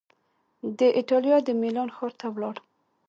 د ایټالیا د میلان ښار ته ولاړ